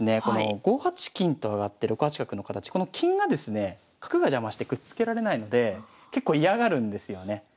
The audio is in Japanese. この５八金と上がって６八角の形この金がですね角が邪魔してくっつけられないので結構嫌がるんですよね。